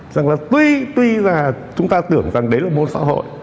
rằng là tuy là chúng ta tưởng rằng đấy là môn tháo hội